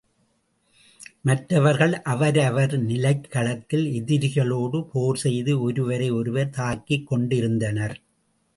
மற்றவர்கள் அவரவர் நிலைக்களத்தில் எதிரிகளோடு போர் செய்து ஒருவரை ஒருவர் தாக்கிக் கொண்டிருந்தனர்.